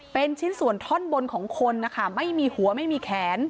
เป็นชิ้นส่วนท่อนบนของคนนะคะไม่มีหัวไม่มีแขน